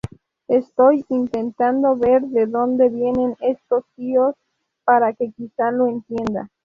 Estoy intentando ver de dónde vienen estos tíos para que quizá lo entienda.